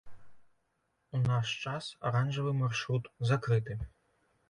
У наш час аранжавы маршрут закрыты.